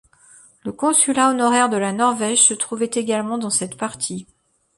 Le consulat honoraire de la Norvège se trouvait également dans cette partie.